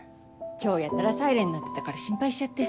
今日やたらサイレン鳴ってたから心配しちゃって。